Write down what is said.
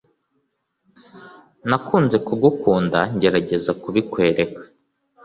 Nakunze kugukunda ngerageza kubikwereka.